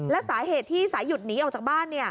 และสาเหตุที่สายหยุดหนีออกจากบ้าน